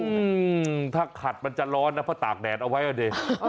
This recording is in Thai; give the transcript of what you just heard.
อืมถ้าขัดมันจะร้อนนะเพราะตากแดดเอาไว้อ่ะดิ